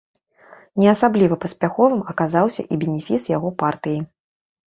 Не асабліва паспяховым аказаўся і бенефіс яго партыі.